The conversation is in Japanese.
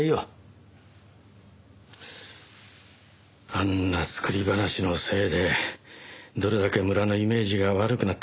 あんな作り話のせいでどれだけ村のイメージが悪くなったか。